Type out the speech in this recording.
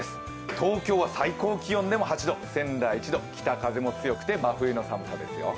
東京は最高気温でも８度仙台は１度北風も強くて真冬の寒さですよ。